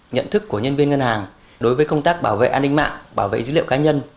nhận thức của nhân viên ngân hàng đối với công tác bảo vệ an ninh mạng bảo vệ dữ liệu cá nhân